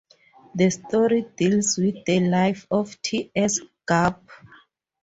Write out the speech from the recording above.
The story deals with the life of T. S. Garp.